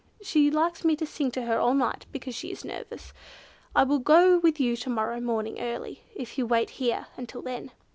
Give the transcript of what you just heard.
She likes me to sing to her all night, because she is nervous. I will go with you to morrow morning early, if you will wait here until then."